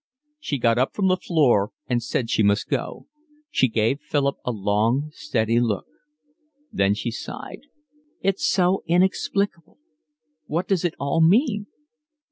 She got up from the floor and said she must go. She gave Philip a long, steady look. Then she sighed. "It's so inexplicable. What does it all mean?"